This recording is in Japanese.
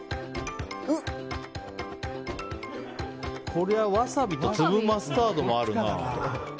こりゃワサビと粒マスタードもあるな。